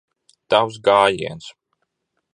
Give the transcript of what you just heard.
Tavs gājiens.